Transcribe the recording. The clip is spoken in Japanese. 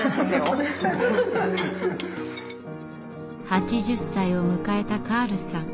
８０歳を迎えたカールさん。